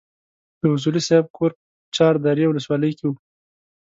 د اصولي صیب کور په چار درې ولسوالۍ کې وو.